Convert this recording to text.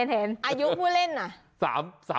เห็นอายุผู้เล่นน่ะ